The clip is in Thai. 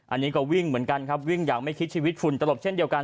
อันนี้ก็วิ่งเหมือนกันครับวิ่งอย่างไม่คิดชีวิตฝุ่นตลบเช่นเดียวกัน